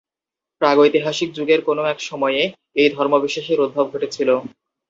প্রাগৈতিহাসিক যুগের কোনও এক সময়ে এই ধর্মবিশ্বাসের উদ্ভব ঘটেছিল।